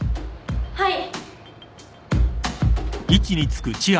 はい。